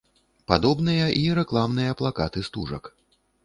Падобныя і рэкламныя плакаты стужак.